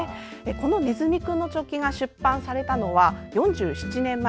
この「ねずみくんのチョッキ」が出版されたのは４７年前。